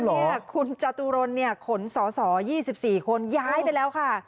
บอกว่าคุณจตุรนทร์ขนสส๒๔คนย้ายไปแล้วค่ะ